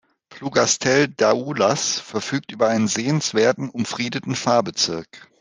Plougastel-Daoulas verfügt über einen sehenswerten Umfriedeten Pfarrbezirk.